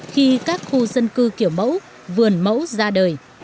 khi các khu dân cư kiểu mẫu vườn mẫu ra đời